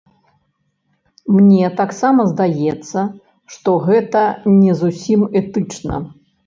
Мне таксама здаецца, што гэта не зусім этычна.